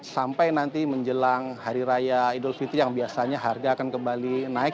sampai nanti menjelang hari raya idul fitri yang biasanya harga akan kembali naik